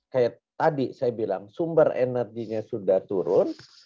kayak tadi saya bilang sumber energinya sudah turun